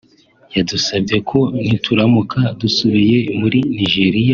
yadusabye ko nituramuka dusubiye muri Nigeria